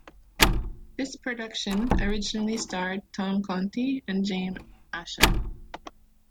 This production originally starred Tom Conti and Jane Asher.